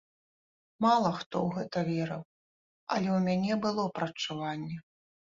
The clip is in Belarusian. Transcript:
Мала хто ў гэта верыў, але ў мяне было прадчуванне.